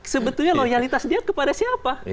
sebetulnya loyalitas dia kepada siapa